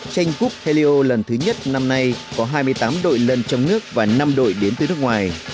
chanh cúp helio lần thứ nhất năm nay có hai mươi tám đội lân trong nước và năm đội đến từ nước ngoài